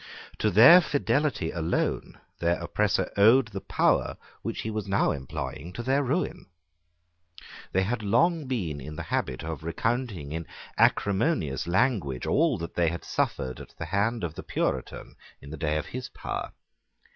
To their fidelity alone their oppressor owed the power which he was now employing to their ruin. They had long been in the habit of recounting in acrimonious language all that they had suffered at the hand of the Puritan in the day of his power.